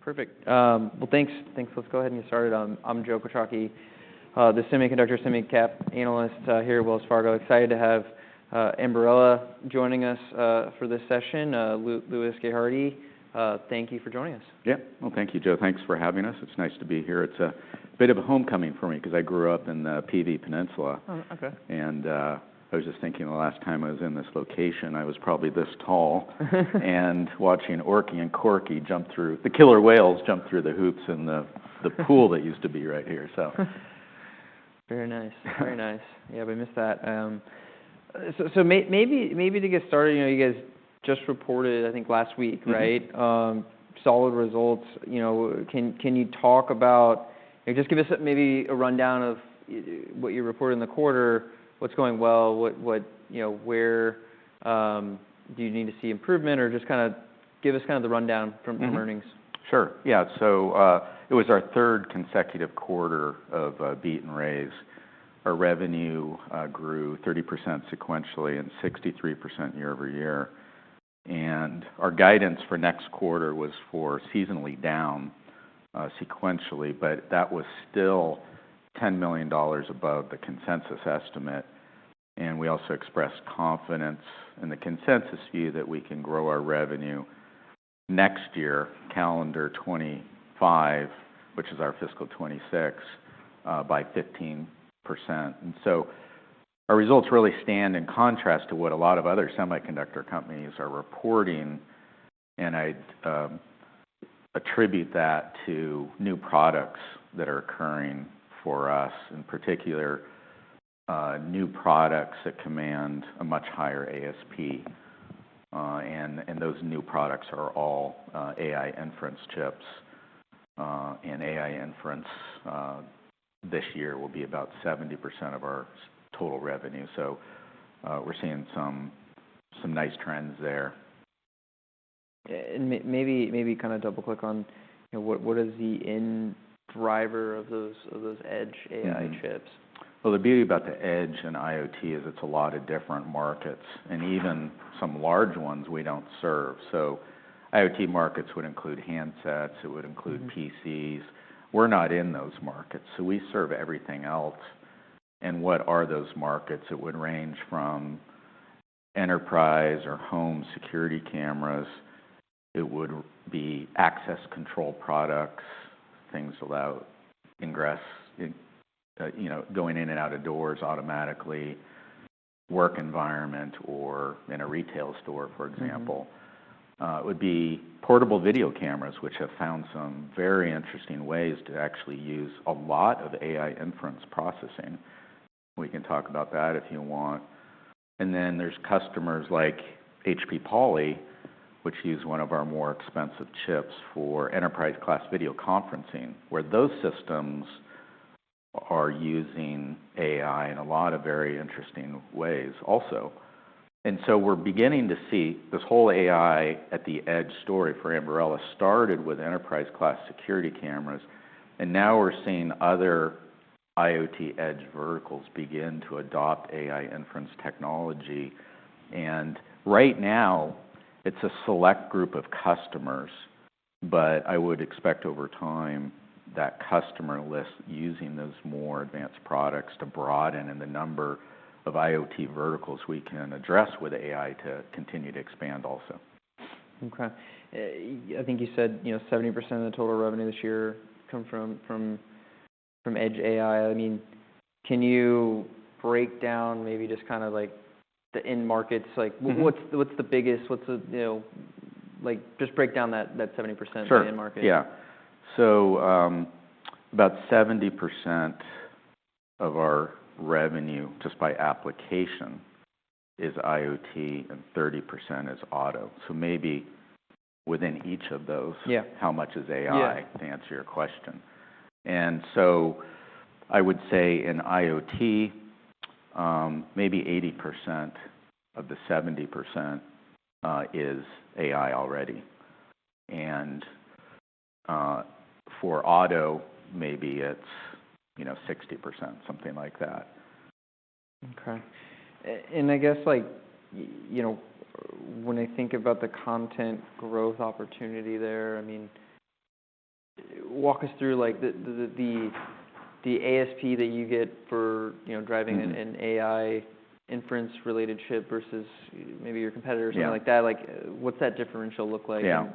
Perfect. Well, thanks. Thanks. Let's go ahead and get started. I'm Joe Quatrochi, the semiconductor semi-cap analyst here at Wells Fargo. Excited to have Ambarella joining us for this session. Louis Gerhardy, thank you for joining us. Yeah. Well, thank you, Joe. Thanks for having us. It's nice to be here. It's a bit of a homecoming for me because I grew up in the PV Peninsula. Oh, OK. I was just thinking the last time I was in this location, I was probably this tall and watching Orky and Corky jump through the killer whales jump through the hoops in the pool that used to be right here. Very nice. Very nice. Yeah, we miss that. So maybe to get started, you guys just reported, I think, last week, right? Solid results. Can you talk about just give us maybe a rundown of what you reported in the quarter, what's going well, where do you need to see improvement, or just kind of give us kind of the rundown from earnings? Sure. Yeah. So it was our third consecutive quarter of beat and raise. Our revenue grew 30% sequentially and 63% year over year. And our guidance for next quarter was for seasonally down sequentially, but that was still $10 million above the consensus estimate. And we also expressed confidence in the consensus view that we can grow our revenue next year, calendar 2025, which is our fiscal 2026, by 15%. And so our results really stand in contrast to what a lot of other semiconductor companies are reporting. And I attribute that to new products that are occurring for us, in particular, new products that command a much higher ASP. And those new products are all AI inference chips. And AI inference this year will be about 70% of our total revenue. So we're seeing some nice trends there. Maybe kind of double-click on what is the end driver of those edge AI chips? The beauty about the edge and IoT is it's a lot of different markets, and even some large ones we don't serve. IoT markets would include handsets. It would include PCs. We're not in those markets. We serve everything else. What are those markets? It would range from enterprise or home security cameras. It would be access control products, things about ingress, going in and out of doors automatically, work environment, or in a retail store, for example. It would be portable video cameras, which have found some very interesting ways to actually use a lot of AI inference processing. We can talk about that if you want. Then there's customers like HP Poly, which use one of our more expensive chips for enterprise-class video conferencing, where those systems are using AI in a lot of very interesting ways also. And so we're beginning to see this whole AI at the edge story for Ambarella started with enterprise-class security cameras. And now we're seeing other IoT edge verticals begin to adopt AI inference technology. And right now, it's a select group of customers. But I would expect over time that customer list using those more advanced products to broaden in the number of IoT verticals we can address with AI to continue to expand also. OK. I think you said 70% of the total revenue this year come from Edge AI. I mean, can you break down maybe just kind of the end markets? What's the biggest? Just break down that 70% of the end market. Sure. Yeah. So about 70% of our revenue just by application is IoT, and 30% is auto. So maybe within each of those, how much is AI to answer your question? And so I would say in IoT, maybe 80% of the 70% is AI already. And for auto, maybe it's 60%, something like that. OK, and I guess when I think about the content growth opportunity there, I mean, walk us through the ASP that you get for driving an AI inference-related chip versus maybe your competitor or something like that. What's that differential look like? Yeah,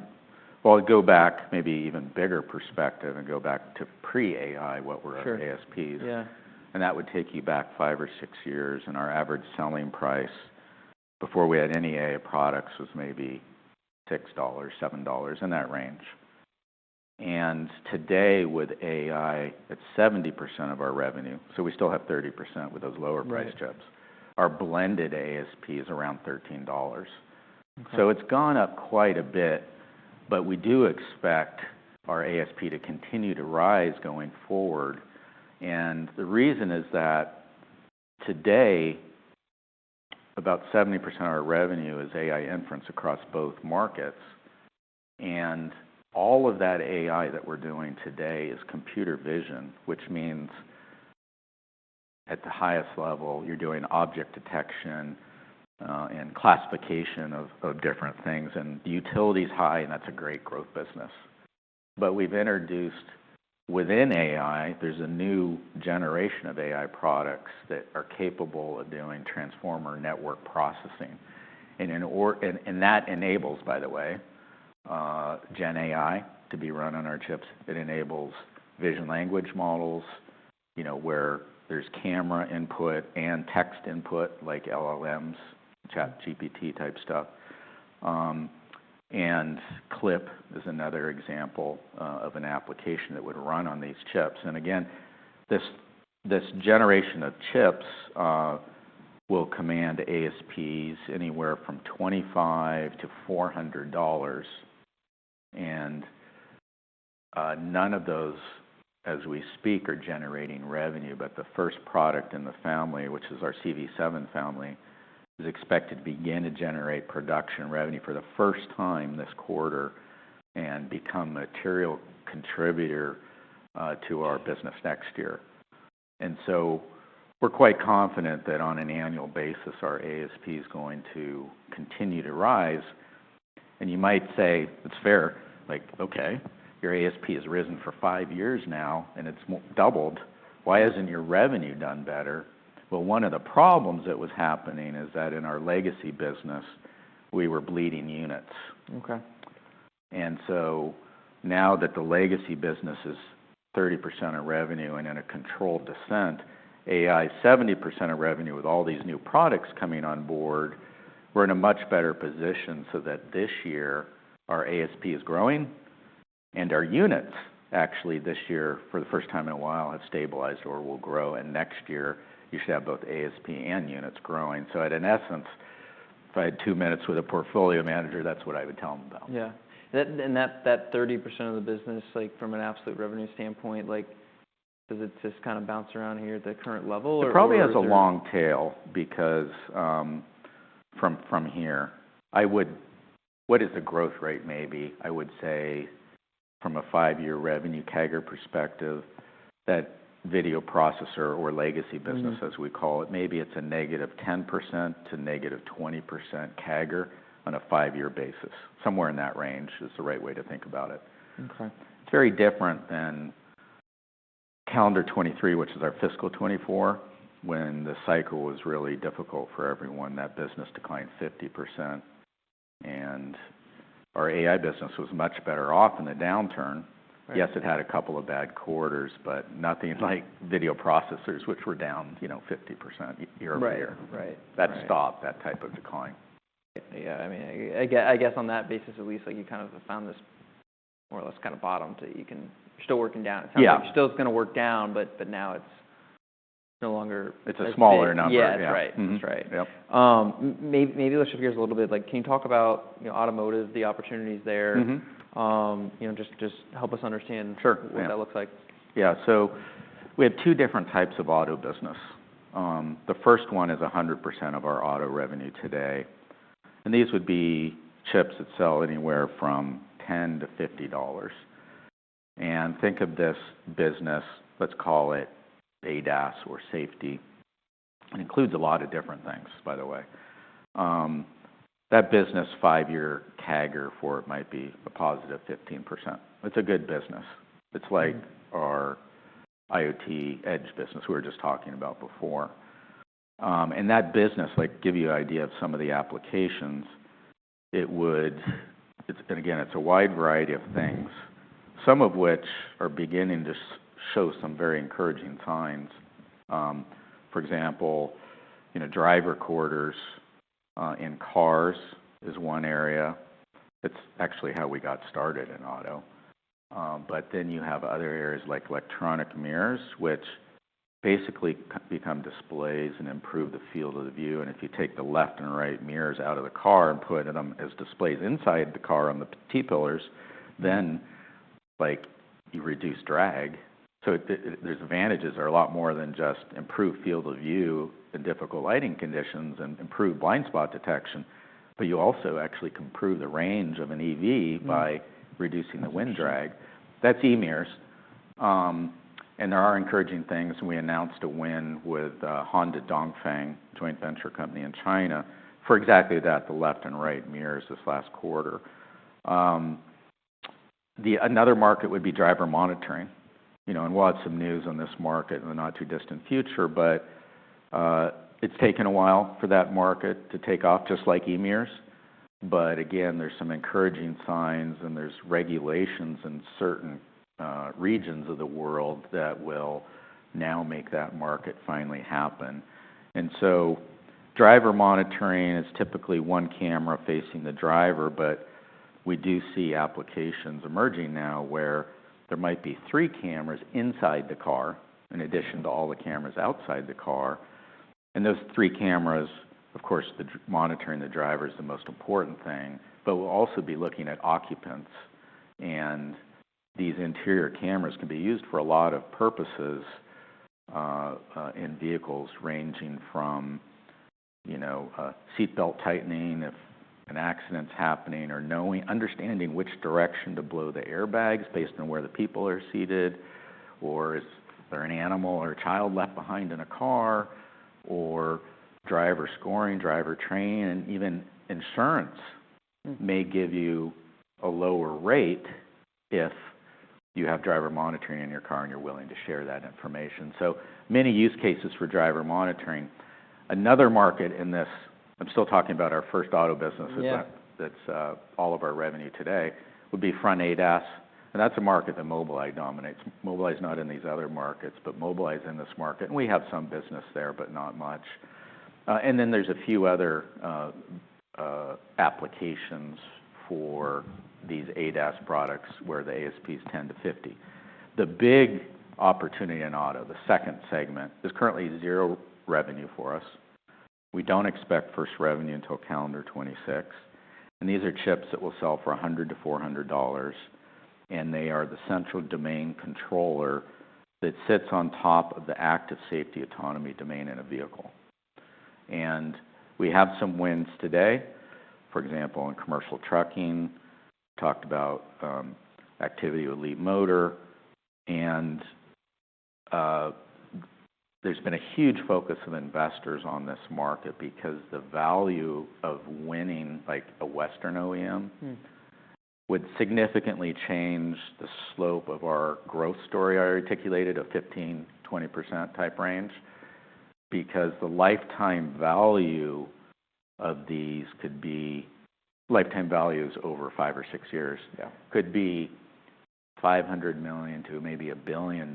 well, go back maybe even bigger perspective and go back to pre-AI, what were our ASPs, and that would take you back five or six years, and our average selling price before we had any AI products was maybe $6-$7, in that range, and today with AI, it's 70% of our revenue, so we still have 30% with those lower-priced chips. Our blended ASP is around $13, so it's gone up quite a bit, but we do expect our ASP to continue to rise going forward, and the reason is that today, about 70% of our revenue is AI inference across both markets, and all of that AI that we're doing today is computer vision, which means at the highest level, you're doing object detection and classification of different things, and the utility is high, and that's a great growth business. We've introduced within AI, there's a new generation of AI products that are capable of doing transformer network processing. That enables, by the way, Gen AI to be run on our chips. It enables vision language models where there's camera input and text input, like LLMs, ChatGPT-type stuff. CLIP is another example of an application that would run on these chips. Again, this generation of chips will command ASPs anywhere from $25-$400. None of those, as we speak, are generating revenue. The first product in the family, which is our CV7 family, is expected to begin to generate production revenue for the first time this quarter and become a material contributor to our business next year. We're quite confident that on an annual basis, our ASP is going to continue to rise. You might say, it's fair, like, OK, your ASP has risen for five years now, and it's doubled. Why hasn't your revenue done better? Well, one of the problems that was happening is that in our legacy business, we were bleeding units. And so now that the legacy business is 30% of revenue and in a controlled descent, AI is 70% of revenue with all these new products coming on board, we're in a much better position so that this year our ASP is growing. And our units, actually, this year for the first time in a while have stabilized or will grow. And next year, you should have both ASP and units growing. So in essence, if I had two minutes with a portfolio manager, that's what I would tell them about. Yeah. And that 30% of the business, from an absolute revenue standpoint, does it just kind of bounce around here at the current level? It probably has a long tail because from here, what is the growth rate? Maybe I would say from a five-year revenue CAGR perspective, that video processor or legacy business, as we call it, maybe it's a negative 10% to negative 20% CAGR on a five-year basis. Somewhere in that range is the right way to think about it. It's very different than calendar 2023, which is our fiscal 2024, when the cycle was really difficult for everyone. That business declined 50%. And our AI business was much better off in the downturn. Yes, it had a couple of bad quarters, but nothing like video processors, which were down 50% year over year. That stopped that type of decline. Yeah. I mean, I guess on that basis, at least you kind of found this more or less kind of bottom that you can. You're still working down. It sounds like it still is going to work down, but now it's no longer. It's a smaller number. Yeah. That's right. That's right. Maybe let's shift gears a little bit. Can you talk about automotive, the opportunities there? Just help us understand what that looks like. Yeah. So we have two different types of auto business. The first one is 100% of our auto revenue today. And these would be chips that sell anywhere from $10-$50. And think of this business, let's call it ADAS or safety. It includes a lot of different things, by the way. That business, five-year CAGR for it might be a positive 15%. It's a good business. It's like our IoT edge business we were just talking about before. And that business, to give you an idea of some of the applications, it would, again, it's a wide variety of things, some of which are beginning to show some very encouraging signs. For example, driver monitoring in cars is one area. That's actually how we got started in auto. But then you have other areas like electronic mirrors, which basically become displays and improve the field of view. If you take the left and right mirrors out of the car and put them as displays inside the car on the A-pillars, then you reduce drag. There are advantages that are a lot more than just improved field of view in difficult lighting conditions and improved blind spot detection. You also actually can improve the range of an EV by reducing the wind drag. That's E-mirrors. There are encouraging things. We announced a win with Dongfeng Honda, a joint venture company in China, for exactly that, the left and right mirrors this last quarter. Another market would be driver monitoring. We'll have some news on this market in the not-too-distant future. It's taken a while for that market to take off, just like E-mirrors. But again, there's some encouraging signs, and there's regulations in certain regions of the world that will now make that market finally happen. And so driver monitoring is typically one camera facing the driver. But we do see applications emerging now where there might be three cameras inside the car in addition to all the cameras outside the car. And those three cameras, of course, monitoring the driver is the most important thing. But we'll also be looking at occupants. And these interior cameras can be used for a lot of purposes in vehicles ranging from seatbelt tightening if an accident's happening or understanding which direction to blow the airbags based on where the people are seated, or if there's an animal or a child left behind in a car, or driver scoring, driver training. And even insurance may give you a lower rate if you have driver monitoring in your car and you're willing to share that information. So many use cases for driver monitoring. Another market in this, I'm still talking about our first auto business that's all of our revenue today, would be front ADAS. And that's a market that Mobileye dominates. Mobileye is not in these other markets, but Mobileye is in this market. And we have some business there, but not much. And then there's a few other applications for these ADAS products where the ASP is $10-$50. The big opportunity in auto, the second segment, is currently zero revenue for us. We don't expect first revenue until calendar 2026. And these are chips that will sell for $100-$400. They are the central domain controller that sits on top of the active safety autonomy domain in a vehicle. We have some wins today, for example, in commercial trucking. We talked about activity with Leapmotor. There's been a huge focus of investors on this market because the value of winning a Western OEM would significantly change the slope of our growth story I articulated of 15%-20% type range because the lifetime value of these could be lifetime values over five or six years could be $500 million to $1 billion.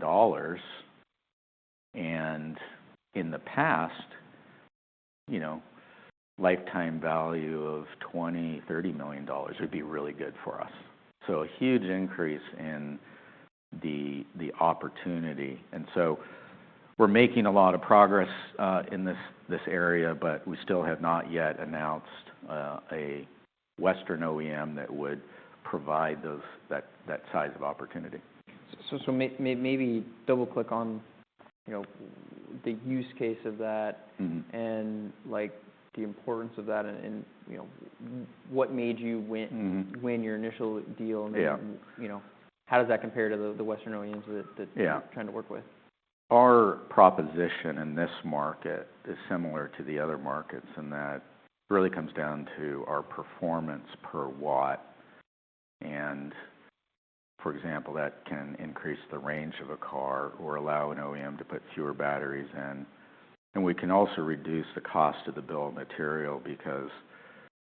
In the past, lifetime value of $20-$30 million would be really good for us. A huge increase in the opportunity. We're making a lot of progress in this area, but we still have not yet announced a Western OEM that would provide that size of opportunity. So maybe double-click on the use case of that and the importance of that and what made you win your initial deal. And how does that compare to the Western OEMs that you're trying to work with? Our proposition in this market is similar to the other markets in that it really comes down to our performance per watt. And for example, that can increase the range of a car or allow an OEM to put fewer batteries in. And we can also reduce the cost of the bill of material because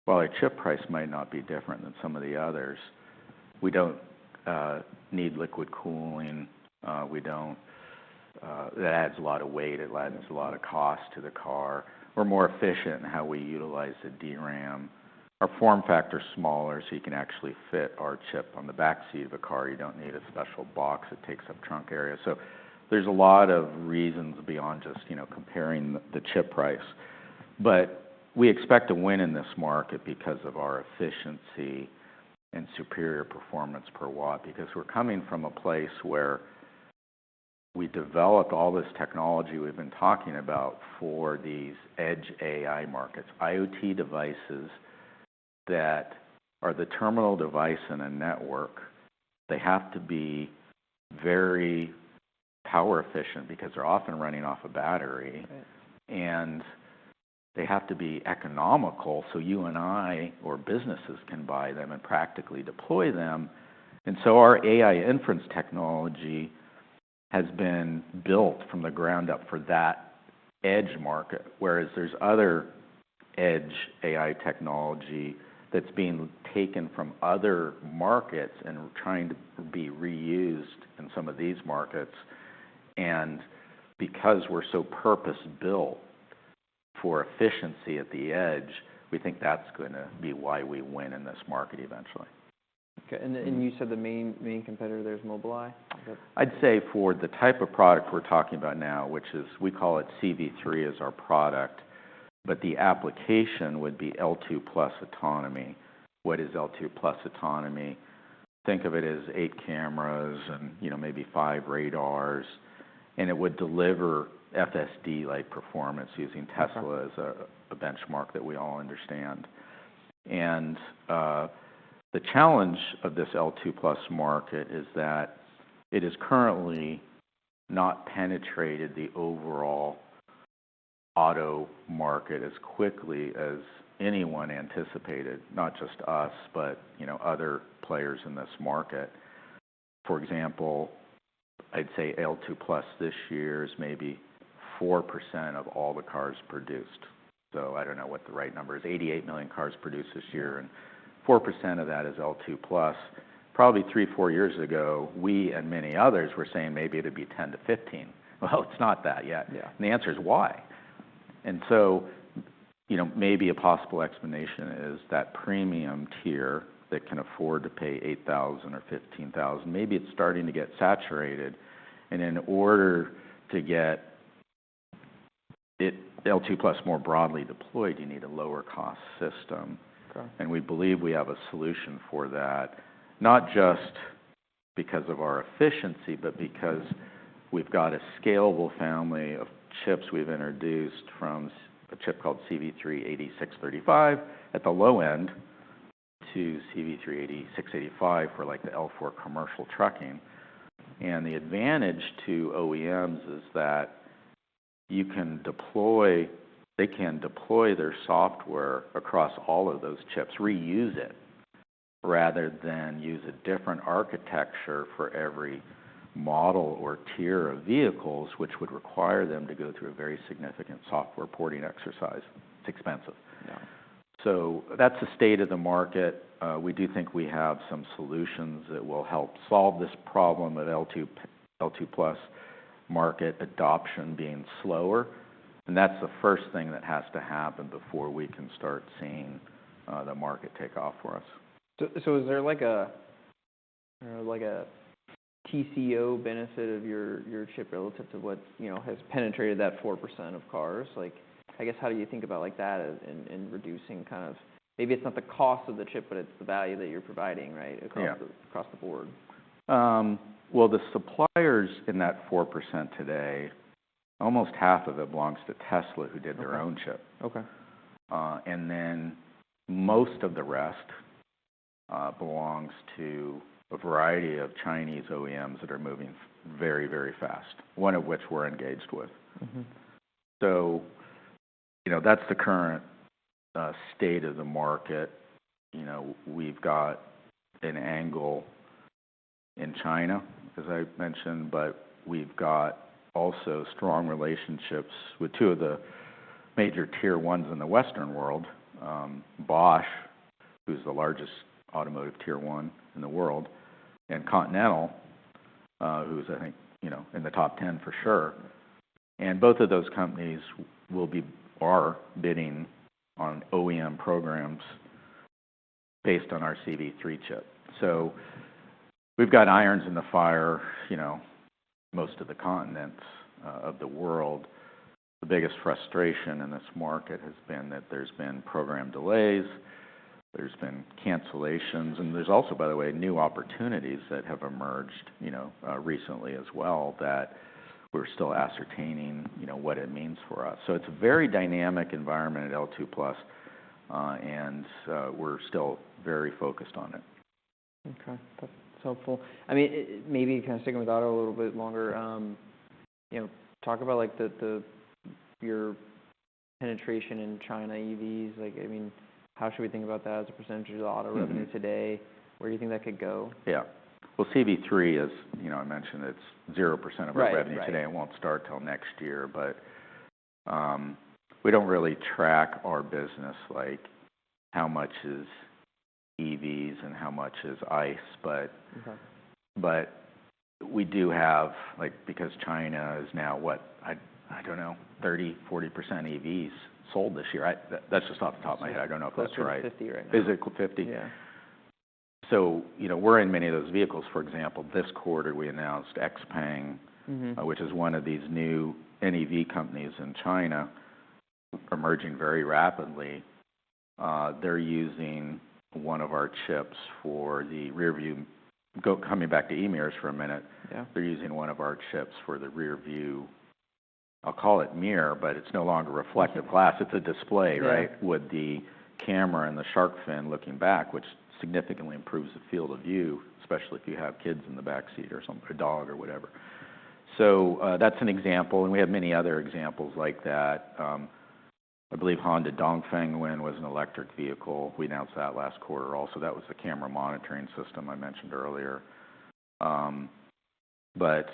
while a chip price might not be different than some of the others, we don't need liquid cooling. That adds a lot of weight. It lands a lot of cost to the car. We're more efficient in how we utilize the DRAM. Our form factor is smaller, so you can actually fit our chip on the back seat of a car. You don't need a special box that takes up trunk area. So there's a lot of reasons beyond just comparing the chip price. But we expect a win in this market because of our efficiency and superior performance per watt because we're coming from a place where we developed all this technology we've been talking about for these edge AI markets. IoT devices that are the terminal device in a network, they have to be very power efficient because they're often running off a battery. And they have to be economical so you and I or businesses can buy them and practically deploy them. And so our AI inference technology has been built from the ground up for that edge market, whereas there's other edge AI technology that's being taken from other markets and trying to be reused in some of these markets. And because we're so purpose-built for efficiency at the edge, we think that's going to be why we win in this market eventually. You said the main competitor there is Mobileye? I'd say for the type of product we're talking about now, which is we call it CV3 as our product, but the application would be L2 plus autonomy. What is L2 plus autonomy? Think of it as eight cameras and maybe five radars, and it would deliver FSD-like performance using Tesla as a benchmark that we all understand. The challenge of this L2 plus market is that it has currently not penetrated the overall auto market as quickly as anyone anticipated, not just us, but other players in this market. For example, I'd say L2 plus this year is maybe 4% of all the cars produced. So I don't know what the right number is. 88 million cars produced this year, and 4% of that is L2 plus. Probably three, four years ago, we and many others were saying maybe it would be 10%-15%. It's not that yet. The answer is why? Maybe a possible explanation is that premium tier that can afford to pay $8,000 or $15,000. Maybe it's starting to get saturated. In order to get L2+ more broadly deployed, you need a lower-cost system. We believe we have a solution for that, not just because of our efficiency, but because we've got a scalable family of chips we've introduced from a chip called CV3-AD635 at the low end to CV3-AD685 for the L4 commercial trucking. The advantage to OEMs is that they can deploy their software across all of those chips, reuse it, rather than use a different architecture for every model or tier of vehicles, which would require them to go through a very significant software porting exercise. It's expensive. That's the state of the market. We do think we have some solutions that will help solve this problem of L2+ market adoption being slower, and that's the first thing that has to happen before we can start seeing the market take off for us. So, is there like a TCO benefit of your chip relative to what has penetrated that 4% of cars? I guess how do you think about that in reducing kind of maybe it's not the cost of the chip, but it's the value that you're providing, right, across the board? The suppliers in that 4% today, almost half of it belongs to Tesla, who did their own chip. Then most of the rest belongs to a variety of Chinese OEMs that are moving very, very fast, one of which we're engaged with. That's the current state of the market. We've got an angle in China, as I mentioned, but we've got also strong relationships with two of the major tier ones in the Western world, Bosch, who's the largest automotive tier one in the world, and Continental, who's, I think, in the top 10 for sure. Both of those companies are bidding on OEM programs based on our CV3 chip. We've got irons in the fire, most of the continents of the world. The biggest frustration in this market has been that there's been program delays. There's been cancellations. There's also, by the way, new opportunities that have emerged recently as well that we're still ascertaining what it means for us. It's a very dynamic environment at L2+, and we're still very focused on it. Okay. That's helpful. I mean, maybe kind of sticking with auto a little bit longer, talk about your penetration in China EVs. I mean, how should we think about that as a percentage of the auto revenue today? Where do you think that could go? Yeah. Well, CV3, as I mentioned, it's 0% of our revenue today. It won't start until next year. But we don't really track our business like how much is EVs and how much is ICE. But we do have, because China is now, what, I don't know, 30%-40% EVs sold this year. That's just off the top of my head. I don't know if that's right. Physical 50 right now. Fiscal 50. So we're in many of those vehicles. For example, this quarter, we announced XPeng, which is one of these new NEV companies in China, emerging very rapidly. They're using one of our chips for the rear view. Coming back to e-mirrors for a minute, they're using one of our chips for the rear view. I'll call it mirror, but it's no longer reflective glass. It's a display, right, with the camera and the shark fin looking back, which significantly improves the field of view, especially if you have kids in the back seat or a dog or whatever. So that's an example. And we have many other examples like that. I believe Dongfeng Honda when it was an electric vehicle. We announced that last quarter also. That was the camera monitoring system I mentioned earlier. But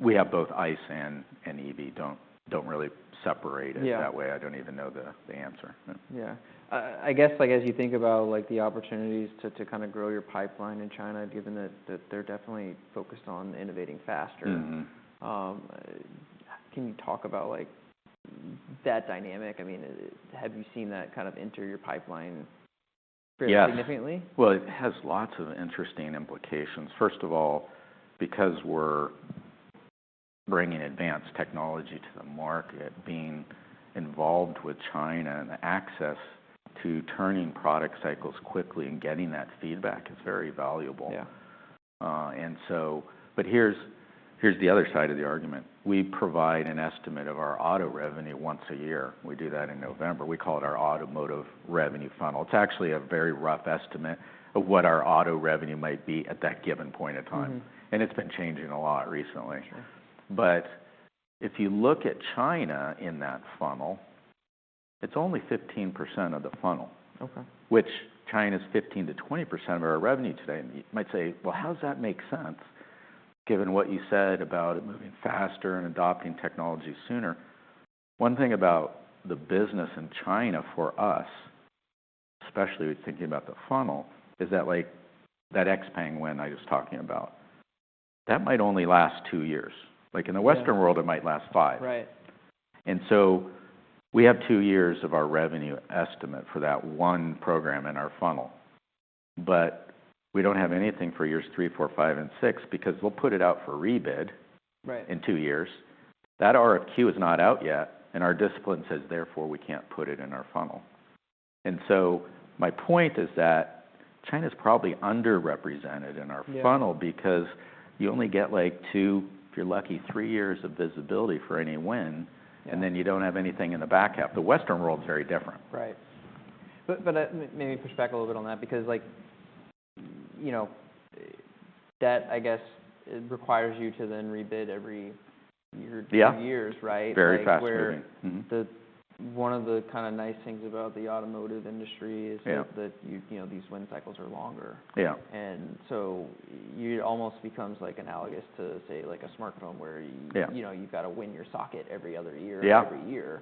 we have both ICE and EV. Don't really separate it that way. I don't even know the answer. Yeah. I guess as you think about the opportunities to kind of grow your pipeline in China, given that they're definitely focused on innovating faster, can you talk about that dynamic? I mean, have you seen that kind of enter your pipeline fairly significantly? Yeah. Well, it has lots of interesting implications. First of all, because we're bringing advanced technology to the market, being involved with China and the access to turning product cycles quickly and getting that feedback is very valuable. But here's the other side of the argument. We provide an estimate of our auto revenue once a year. We do that in November. We call it our automotive revenue funnel. It's actually a very rough estimate of what our auto revenue might be at that given point of time. And it's been changing a lot recently. But if you look at China in that funnel, it's only 15% of the funnel, which China is 15%-20% of our revenue today. You might say, "Well, how does that make sense given what you said about moving faster and adopting technology sooner?" One thing about the business in China for us, especially thinking about the funnel, is that XPeng win I was talking about, that might only last two years. In the Western world, it might last five. And so we have two years of our revenue estimate for that one program in our funnel. But we don't have anything for years three, four, five, and six because we'll put it out for rebid in two years. That RFQ is not out yet. And our discipline says, therefore, we can't put it in our funnel. And so my point is that China is probably underrepresented in our funnel because you only get two, if you're lucky, three years of visibility for any win, and then you don't have anything in the back half. The Western world is very different. Right. But maybe push back a little bit on that because that, I guess, requires you to then rebid every two years, right? Yeah. Very fast moving. One of the kind of nice things about the automotive industry is that these win cycles are longer. And so it almost becomes analogous to, say, a smartphone where you've got to win your socket every other year or every year.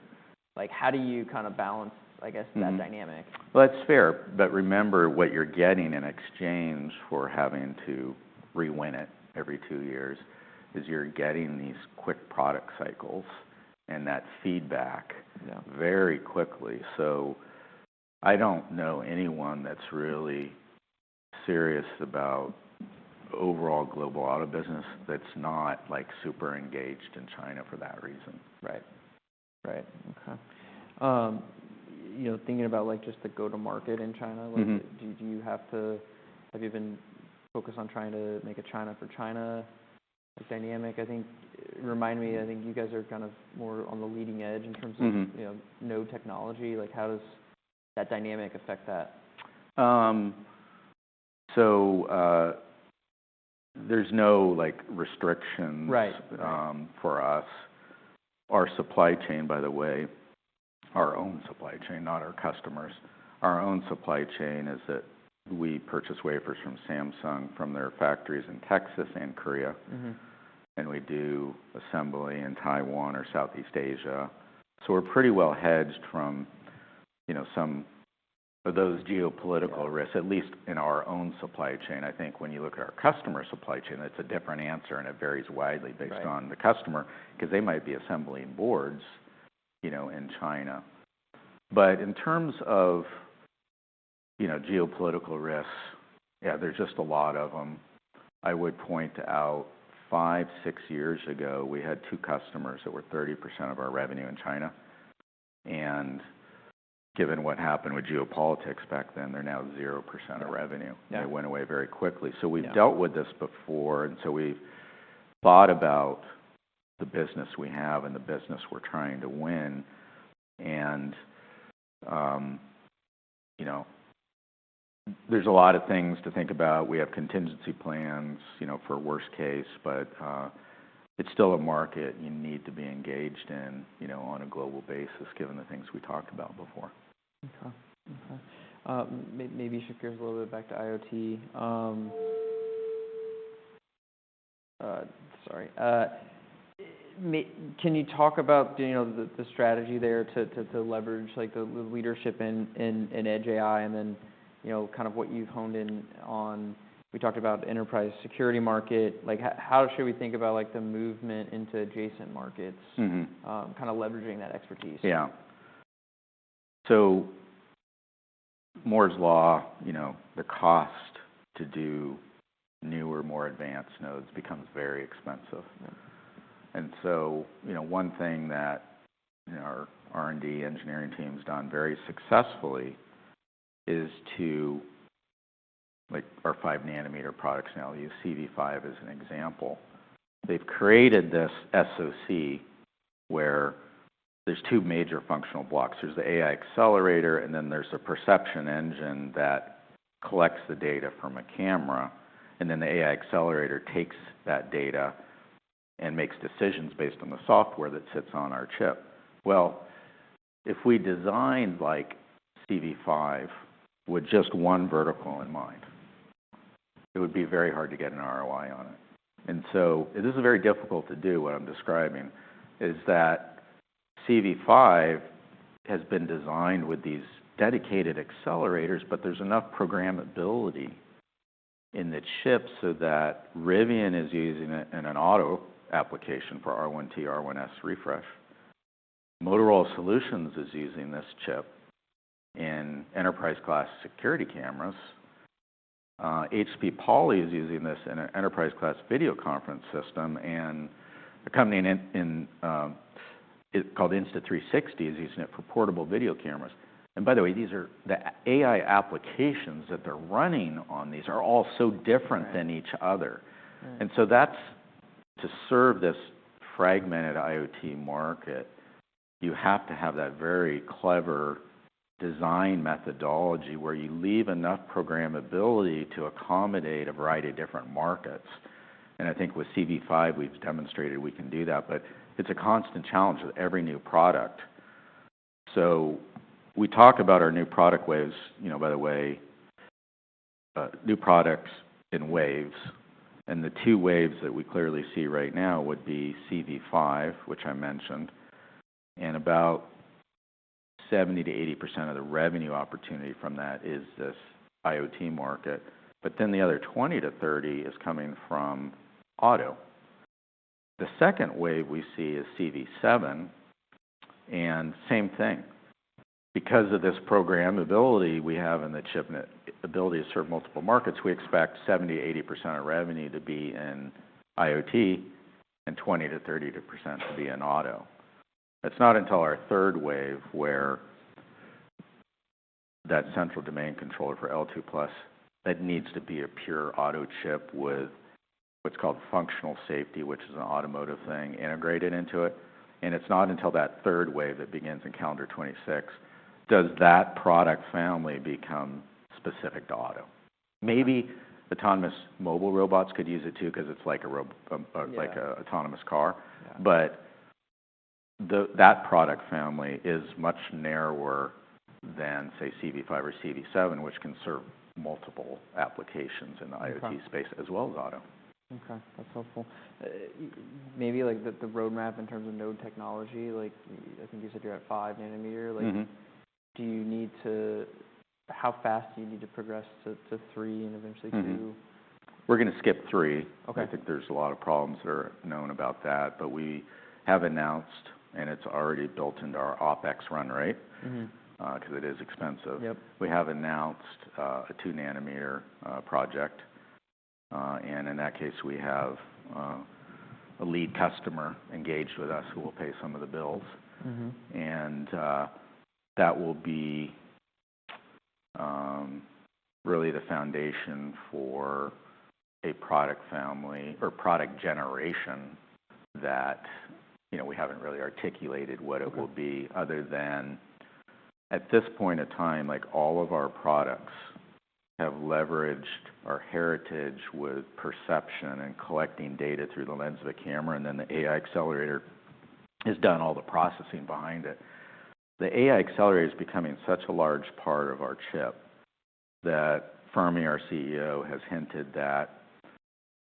How do you kind of balance, I guess, that dynamic? That's fair. But remember what you're getting in exchange for having to rewin it every two years is you're getting these quick product cycles and that feedback very quickly. So I don't know anyone that's really serious about overall global auto business that's not super engaged in China for that reason. Right. Right. Okay. Thinking about just the go-to-market in China, do you have to? Have you been focused on trying to make a China for China dynamic? I think remind me, I think you guys are kind of more on the leading edge in terms of node technology. How does that dynamic affect that? So there's no restrictions for us. Our supply chain, by the way, our own supply chain, not our customers. Our own supply chain is that we purchase wafers from Samsung, from their factories in Texas and Korea, and we do assembly in Taiwan or Southeast Asia, so we're pretty well hedged from some of those geopolitical risks, at least in our own supply chain. I think when you look at our customer supply chain, it's a different answer, and it varies widely based on the customer because they might be assembling boards in China, but in terms of geopolitical risks, yeah, there's just a lot of them. I would point out five, six years ago, we had two customers that were 30% of our revenue in China, and given what happened with geopolitics back then, they're now 0% of revenue. They went away very quickly. So we've dealt with this before. And so we've thought about the business we have and the business we're trying to win. And there's a lot of things to think about. We have contingency plans for worst case, but it's still a market you need to be engaged in on a global basis, given the things we talked about before. Okay. Okay. Maybe shift gears a little bit back to IoT. Sorry. Can you talk about the strategy there to leverage the leadership in edge AI and then kind of what you've honed in on? We talked about enterprise security market. How should we think about the movement into adjacent markets, kind of leveraging that expertise? Yeah. So Moore's Law, the cost to do newer, more advanced nodes, becomes very expensive. And so one thing that our R&D engineering team has done very successfully is to our five-nanometer products now, CV5 as an example. They've created this SoC where there's two major functional blocks. There's the AI accelerator, and then there's a perception engine that collects the data from a camera. And then the AI accelerator takes that data and makes decisions based on the software that sits on our chip. Well, if we designed CV5 with just one vertical in mind, it would be very hard to get an ROI on it. And so this is very difficult to do, what I'm describing, is that CV5 has been designed with these dedicated accelerators, but there's enough programmability in the chip so that Rivian is using it in an auto application for R1T, R1S refresh. Motorola Solutions is using this chip in enterprise-class security cameras. HP Poly is using this in an enterprise-class video conference system, and a company called Insta360 is using it for portable video cameras, and by the way, the AI applications that they're running on these are all so different than each other. And so that's to serve this fragmented IoT market, you have to have that very clever design methodology where you leave enough programmability to accommodate a variety of different markets, and I think with CV5, we've demonstrated we can do that. But it's a constant challenge with every new product, so we talk about our new product waves, by the way, new products in waves, and the two waves that we clearly see right now would be CV5, which I mentioned, and about 70%-80% of the revenue opportunity from that is this IoT market. But then the other 20-30% is coming from auto. The second wave we see is CV7. And same thing. Because of this programmability we have in the chip and the ability to serve multiple markets, we expect 70-80% of revenue to be in IoT and 20-30% to be in auto. It's not until our third wave where that central domain controller for L2+ that needs to be a pure auto chip with what's called functional safety, which is an automotive thing integrated into it. And it's not until that third wave that begins in calendar 2026 does that product family become specific to auto. Maybe autonomous mobile robots could use it too because it's like an autonomous car. But that product family is much narrower than, say, CV5 or CV7, which can serve multiple applications in the IoT space as well as auto. Okay. That's helpful. Maybe the roadmap in terms of node technology, I think you said you're at five-nanometer. How fast do you need to progress to three and eventually two? We're going to skip three. I think there's a lot of problems that are known about that, but we have announced, and it's already built into our OpEx run rate because it is expensive. We have announced a two-nanometer project, and in that case, we have a lead customer engaged with us who will pay some of the bills, and that will be really the foundation for a product family or product generation that we haven't really articulated what it will be other than at this point in time, all of our products have leveraged our heritage with perception and collecting data through the lens of a camera, and then the AI accelerator has done all the processing behind it. The AI accelerator is becoming such a large part of our chip that Fermi Wang, our CEO, has hinted that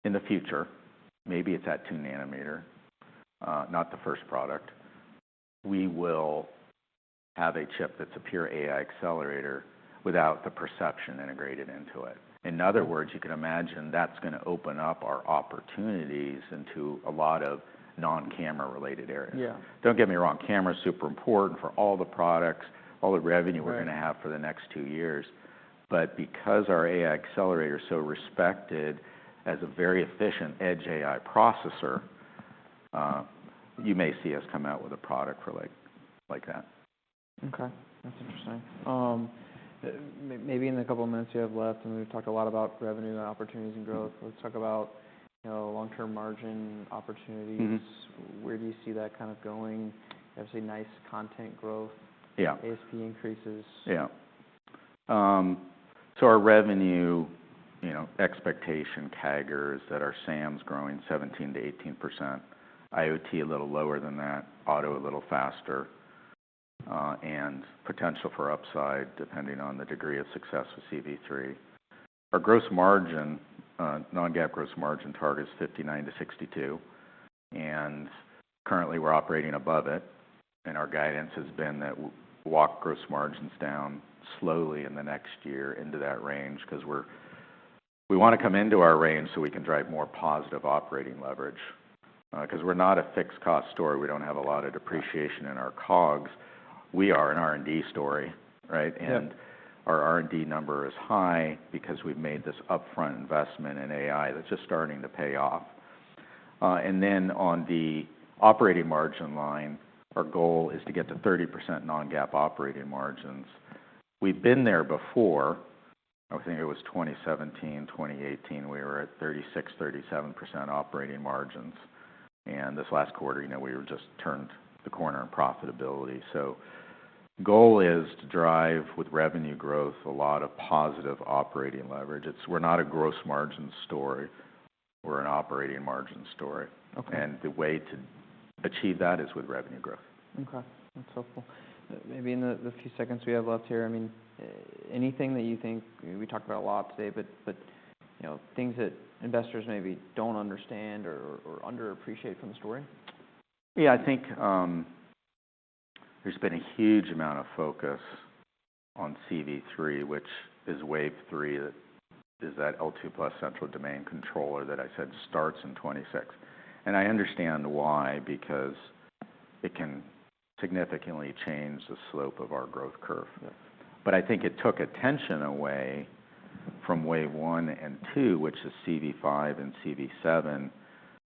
in the future, maybe it's at two-nanometer, not the first product. We will have a chip that's a pure AI accelerator without the perception integrated into it. In other words, you can imagine that's going to open up our opportunities into a lot of non-camera related areas. Don't get me wrong. Camera is super important for all the products, all the revenue we're going to have for the next two years. But because our AI accelerator is so respected as a very efficient edge AI processor, you may see us come out with a product for like that. Okay. That's interesting. Maybe in the couple of minutes we have left, and we've talked a lot about revenue and opportunities and growth. Let's talk about long-term margin opportunities. Where do you see that kind of going? Obviously, nice content growth, ASP increases. Yeah. So our revenue expectation CAGR is that our SAM is growing 17%-18%, IoT a little lower than that, auto a little faster, and potential for upside depending on the degree of success with CV3. Our gross margin, non-GAAP gross margin target is 59%-62%. And currently, we're operating above it. And our guidance has been that we'll walk gross margins down slowly in the next year into that range because we want to come into our range so we can drive more positive operating leverage. Because we're not a fixed cost store. We don't have a lot of depreciation in our COGS. We are an R&D story, right? And our R&D number is high because we've made this upfront investment in AI that's just starting to pay off. And then on the operating margin line, our goal is to get to 30% non-GAAP operating margins. We've been there before. I think it was 2017, 2018, we were at 36%-37% operating margins. And this last quarter, we just turned the corner in profitability. So the goal is to drive with revenue growth a lot of positive operating leverage. We're not a gross margin story. We're an operating margin story. And the way to achieve that is with revenue growth. Okay. That's helpful. Maybe in the few seconds we have left here, I mean, anything that you think we talked about a lot today, but things that investors maybe don't understand or underappreciate from the story? Yeah. I think there's been a huge amount of focus on CV3, which is wave three, is that L2 plus central domain controller that I said starts in 2026. And I understand why because it can significantly change the slope of our growth curve. But I think it took attention away from wave one and two, which is CV5 and CV7,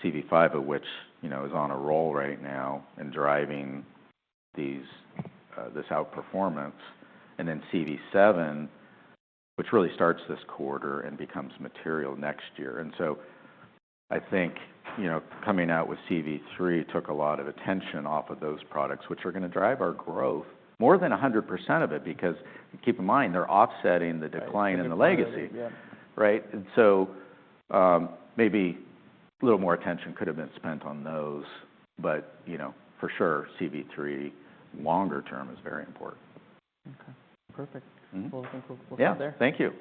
CV5 of which is on a roll right now and driving this outperformance. And then CV7, which really starts this quarter and becomes material next year. And so I think coming out with CV3 took a lot of attention off of those products, which are going to drive our growth more than 100% of it because keep in mind, they're offsetting the decline in the legacy, right? And so maybe a little more attention could have been spent on those. But for sure, CV3 longer term is very important. Okay. Perfect. Well, we'll stop there. Yeah. Thank you.